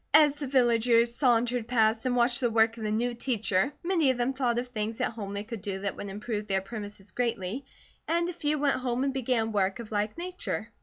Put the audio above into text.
As the villagers sauntered past and watched the work of the new teacher, many of them thought of things at home they could do that would improve their premises greatly, and a few went home and began work of like nature.